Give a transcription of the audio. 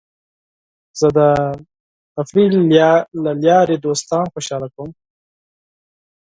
زه د تفریح له لارې دوستان خوشحاله کوم.